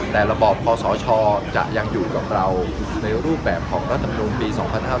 แต่ระบอบคอสชจะยังอยู่กับเราในรูปแบบของรัฐมนุนปี๒๕๕๙